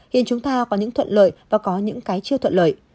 khiến chúng ta có những thuận lợi và có những cái chưa thuận lợi